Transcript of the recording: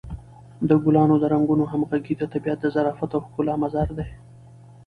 د ګلانو د رنګونو همغږي د طبیعت د ظرافت او ښکلا مظهر دی.